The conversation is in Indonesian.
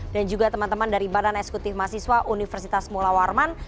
dan juga teman teman dari badan eksekutif mahasiswa universitas mullah warman